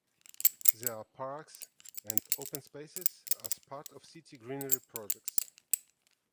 There are parks and open spaces as part of city greenery projects.